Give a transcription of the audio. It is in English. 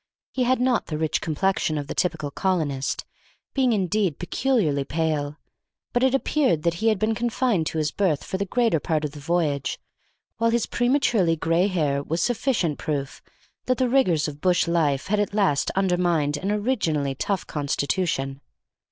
He had not the rich complexion of the typical colonist, being indeed peculiarly pale, but it appeared that he had been confined to his berth for the greater part of the voyage, while his prematurely gray hair was sufficient proof that the rigors of bush life had at last undermined an originally tough constitution.